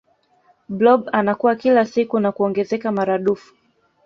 blob anakua kila siku na kuongezeka maradufu